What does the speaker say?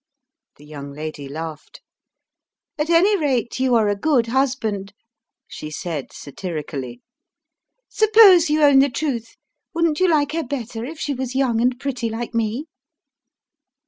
The young lady laughed. "At any rate, you are a good husband," she said, satirically. "Suppose you own the truth: wouldn't you like her better if she was young and pretty like me